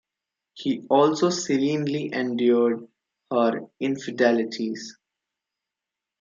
He also serenely endured her infidelities.